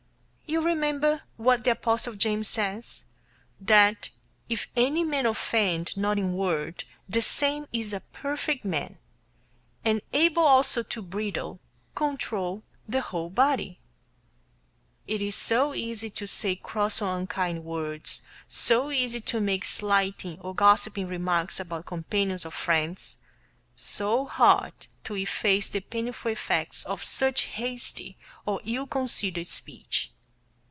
You remember what the apostle James says, that "if any man offend not in word, the same is a perfect man, and able also to bridle [control] the whole body." It is so easy to say cross or unkind words; so easy to make slighting or gossiping remarks about companions or friends; so hard to efface the painful effects of such hasty or ill considered speech.